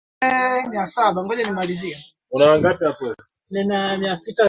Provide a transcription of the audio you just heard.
ametoa wito kwa serikali za nchi husika